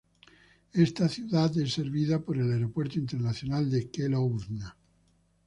Esta ciudad es servida por el Aeropuerto Internacional de Kelowna.